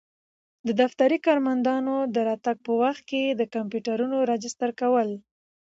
د دفتري کارمندانو د راتګ په وخت کي د کمپیوټرونو راجستر کول.